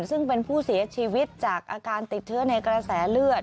ซึ่งเป็นผู้เสียชีวิตจากอาการติดเชื้อในกระแสเลือด